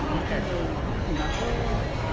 คุณลับอะไร